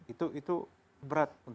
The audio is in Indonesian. itu berat untuk